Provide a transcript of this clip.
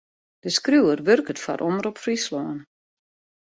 De skriuwer wurket foar Omrop Fryslân.